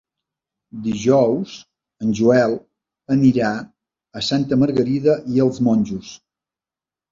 Dijous en Joel anirà a Santa Margarida i els Monjos.